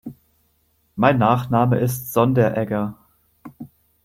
Mein Nachname ist Sonderegger.